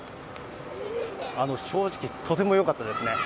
正直、とてもよかったですね。